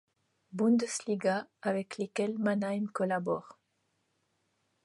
Bundesliga, avec lesquels Mannheim collabore.